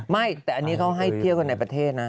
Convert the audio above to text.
ไม่แต่อันนี้เขาให้เที่ยวกันในประเทศนะ